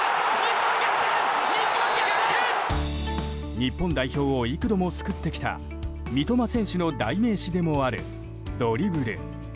日本代表を幾度も救ってきた三笘選手の代名詞でもあるドリブル。